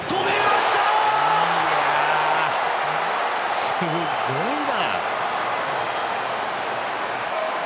すごいな。